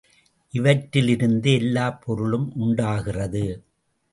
இவற்றிலிருந்து எல்லாப் பொருளும் உண்டாகிறது.